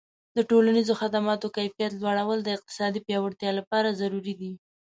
د ټولنیزو خدماتو کیفیت لوړول د اقتصادي پیاوړتیا لپاره ضروري دي.